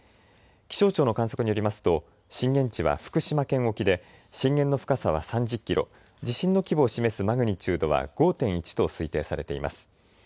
気象庁の観測によりますと震源地は福島県沖で震源の深さは３０キロ地震の規模を示すマグニチュードは５．１と推定されています。